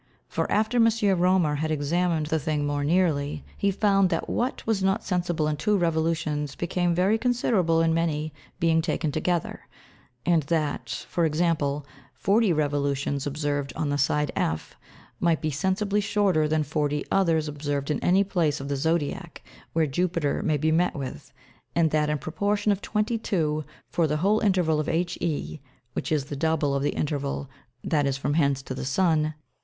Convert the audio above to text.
For after M. Romer had examin'd the thing more nearly, he found that what was not sensible in two Revolutions, became very considerable in many being taken together; and that, for Example, forty Revolutions observed on the side F, might be sensibly shorter, than forty others observ'd in any place of the Zodiack where Jupiter may be met with; and that in proportion of Twenty two for the whole Interval of HE, which is the double of the Interval that is from hence to the Sun.